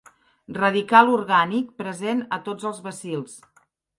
Radical orgànic present a tots els bacils.